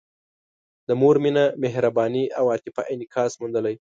د مور مینه، مهرباني او عاطفه انعکاس موندلی.